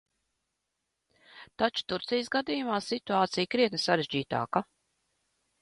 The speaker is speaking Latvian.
Taču Turcijas gadījumā situācija ir krietni sarežģītāka.